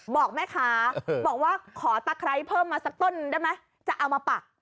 บอกแม่ค้าบอกว่าขอตะไคร้เพิ่มมาสักต้นได้ไหมจะเอามาปัก